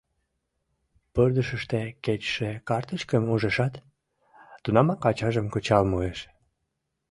Пырдыжыште кечыше картычкым ужешат, тунамак ачажым кычал муэш.